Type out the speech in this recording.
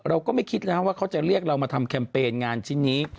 เราก็ไม่คิดนะว่าเขาจะเรียกเรามาทำแคมเปญงานชิ้นนี้